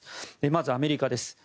まず、アメリカです。